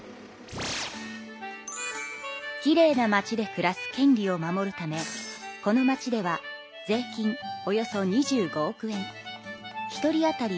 きれいな町で暮らす権利を守るためこの町では税金およそ２５億円１人あたり